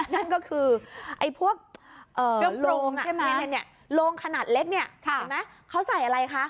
นั่นก็คือไอ้พวกโรงโรงขนาดเล็กนี่เขาใส่อะไรคะ